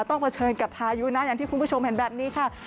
เผชิญกับพายุนะอย่างที่คุณผู้ชมเห็นแบบนี้ค่ะ